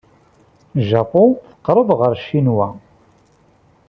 Japun teqreb ɣer Ccinwa.